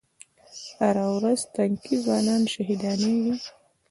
هره ورځ تنکي ځوانان شهیدانېږي